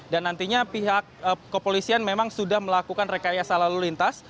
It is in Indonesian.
dan nantinya pihak kepolisian memang sudah melakukan rekayasa lalu lintas